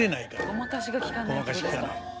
ごまかしがきかないわけですか。